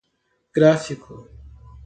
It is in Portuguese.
gráfico